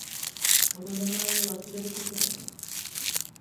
この名前を忘れることはない。